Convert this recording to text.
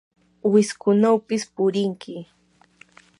wiskunawpis purinki.